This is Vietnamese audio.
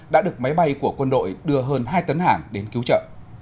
đã được máy bay của quân đội đưa hơn hai tấn hàng đến cứu trợ